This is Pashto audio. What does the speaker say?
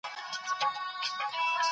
زه د خپل وطن تاریخ زده کوم.